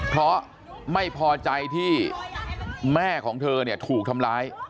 เพราะไม่พอใจที่แม่ของเธอเนี่ยถูกทำร้าย